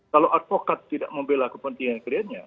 kalau advokat tidak membela kepentingan kliennya